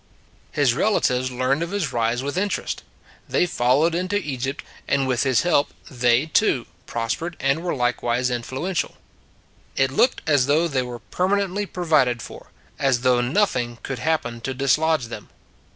His relatives learned of his rise with interest. They followed into Egypt, and with his help they, too, prospered and were likewise influential. It looked as though they were perma nently provided for; as though nothing could happen to dislodge them.